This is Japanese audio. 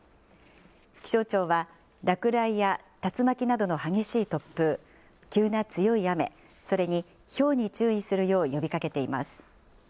気象庁は、落雷や竜巻などの激しい突風、急な強い雨、それにひょうに注意するよう呼びかけています。